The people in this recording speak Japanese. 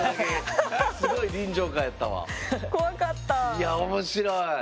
いや面白い。